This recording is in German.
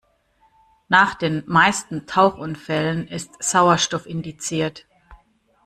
Nach den meisten Tauchunfällen ist Sauerstoff indiziert.